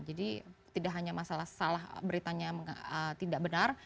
jadi tidak hanya masalah beritanya tidak benar